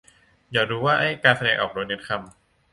อยากรู้ว่าไอ้การแสดงออกโดยเน้นคำ